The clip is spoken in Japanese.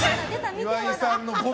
岩井さんの語尾。